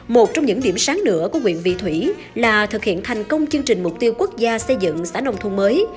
một trong những điểm sáng nữa của quyện vị thủy là thực hiện thành công chương trình mục tiêu quốc gia xây dựng xã nông thôn mới